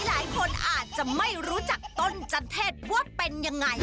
หลายคนอาจจะไม่รู้จักต้นจันเทศว่าเป็นยังไง